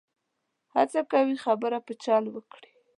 هڅه کوي خبره په چل وکړي.